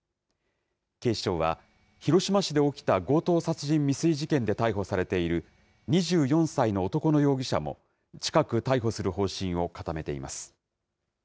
警視庁は、広島市で起きた強盗殺人未遂事件で逮捕されている２４歳の男の容疑者も、近く逮捕する方針を固めています。